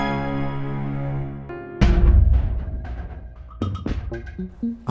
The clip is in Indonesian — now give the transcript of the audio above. gak usah nge subscribe ya